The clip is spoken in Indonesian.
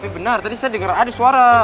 benar tadi saya dengar ada suara